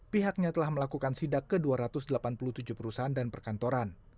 pihaknya telah melakukan sidak ke dua ratus delapan puluh tujuh perusahaan dan perkantoran